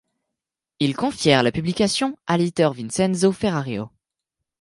Ils confièrent la publication à l'éditeur Vincenzo Ferrario.